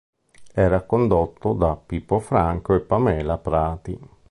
Era condotto da Pippo Franco e Pamela Prati.